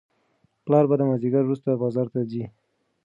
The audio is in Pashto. پلار به د مازیګر وروسته بازار ته ځي.